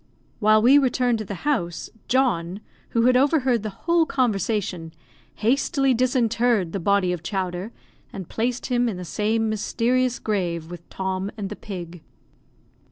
While we returned to the house, John, who had overheard the whole conversation, hastily disinterred the body of Chowder, and placed him in the same mysterious grave with Tom and the pig.